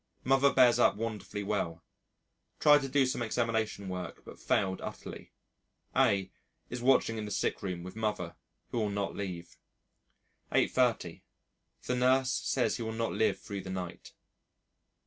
Mother bears up wonderfully well. Tried to do some examination work but failed utterly. A is watching in the sick room with Mother who will not leave. 8.30. The nurse says he will not live through the night.